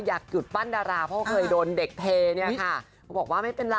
ยากหยุดปั้นดาราเตรอร์